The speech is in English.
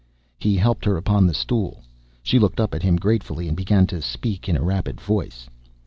He helped her upon the stool. She looked up at him gratefully, and began to speak in a rapid voice.